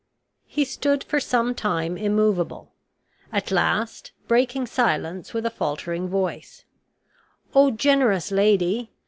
He stood for some time immovable. At last, breaking silence with a faltering voice: "O generous lady!